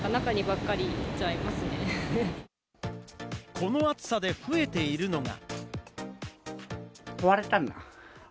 この暑さで増えているのが。